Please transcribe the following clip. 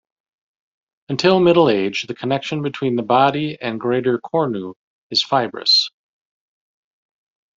Until middle age the connection between the body and greater cornu is fibrous.